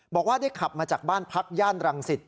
บอกว่าได้ขับมาจากบ้านพักย่านรังสิต